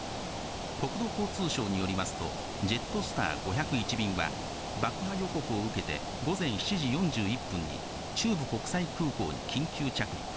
国土交通省によりますと、ジェットスター５０１便は、爆破予告を受けて午前７時４１分に、中部国際空港に緊急着陸。